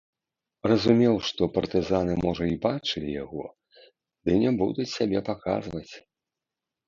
Разумеў, што партызаны, можа, і бачылі яго, ды не будуць сябе паказваць.